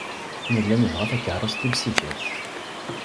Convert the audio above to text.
Nella nebɣa takeṛṛust timsigert.